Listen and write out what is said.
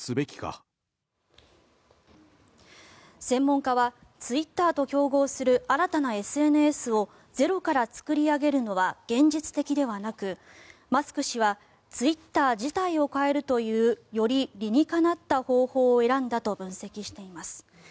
専門家はツイッターと競合する新たなＳＮＳをゼロから作り上げるのは現実的ではなくマスク氏はツイッター自体を変えるというより理にかなった方法を選んだと分析しています。